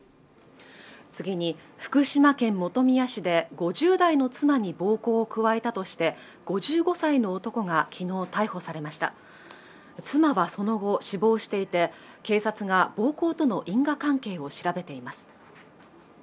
次に福島県本宮市で５０代の妻に暴行を加えたとして５５歳の男が昨日逮捕されました妻はその後死亡していて警察が暴行との因果関係を調べています